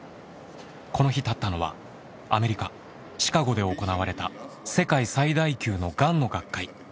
この日立ったのはアメリカシカゴで行われた世界最大級のがんの学会。